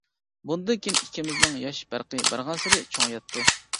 بۇندىن كېيىن ئىككىمىزنىڭ ياش پەرقى بارغانسېرى چوڭىياتتى.